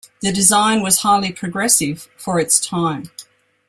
The design was highly-progressive for its time.